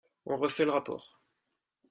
On refait le rapport